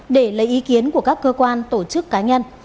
để lấy ý kiến của các cơ quan tổ chức cá nhân